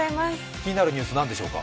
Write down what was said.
気になるニュース、何でしょうか？